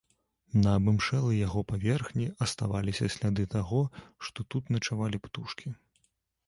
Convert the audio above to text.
На абымшэлай яго паверхні аставаліся сляды таго, што тут начавалі птушкі.